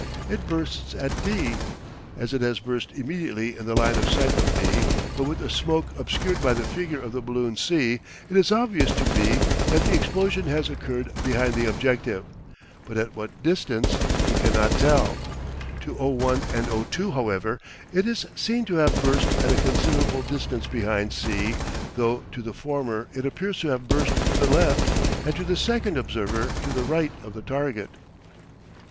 It bursts at D. As it has burst immediately in the line of sight of B, but with the smoke obscured by the figure of the balloon C, it is obvious to B that the explosion has occurred behind the objective, but at what distance he cannot tell. To O1 and O2, however, it is seen to have burst at a considerable distance behind C though to the former it appears to have burst to the left and to the second observer to the right of the target.